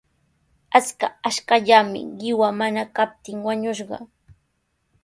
Achka ashkallami qiwa mana kaptin wañushqa.